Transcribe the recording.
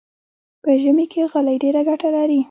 په ژمي کې غالۍ ډېره ګټه لري.